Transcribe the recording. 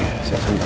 baiklah siap saja